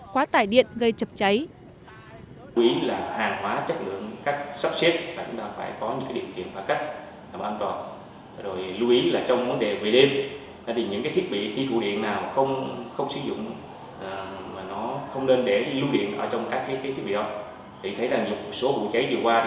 quá tải điện gây chập cháy